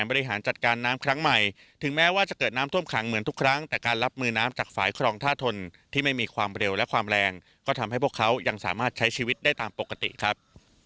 บริหารจัดการน้ำครั้งใหม่ถึงแม้ว่าจะเกิดน้ำท่วมขังเหมือนทุกครั้งแต่การรับมือน้ำจากฝ่ายครองท่าทนที่ไม่มีความเร็วและความแรงก็ทำให้พวกเขายังสามารถใช้ชีวิตได้ตามปกติครับ